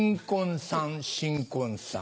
新婚さん